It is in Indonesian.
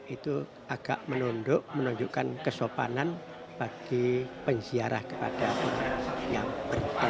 itu agak menunduk menunjukkan kesopanan bagi penziarah kepada orang yang berada